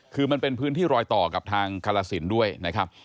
คือมันเป็นพื้นที่รอยต่อกับทางกรสินด้วยนะครับ